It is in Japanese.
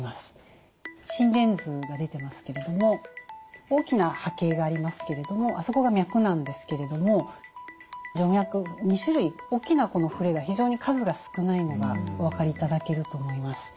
心電図が出てますけれども大きな波形がありますけれどもあそこが脈なんですけれども徐脈２種類大きな振れが非常に数が少ないのがお分かりいただけると思います。